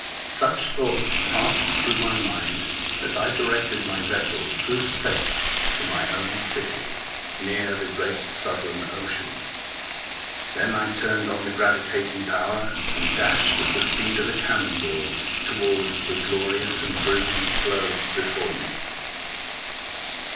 Such thoughts passed through my mind as I directed my vessel through space to my own city, near the great Southern Ocean. Then I turned on the gravitating power, and dashed, at the speed of a cannon ball, towards the glorious and brilHant globe before me.